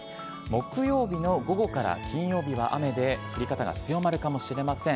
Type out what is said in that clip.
木曜日の午後から金曜日は雨で、降り方が強まるかもしれません。